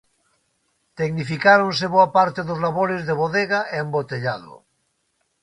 Tecnificáronse boa parte dos labores de bodega e embotellado.